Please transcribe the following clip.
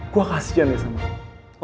gue kasian ya sama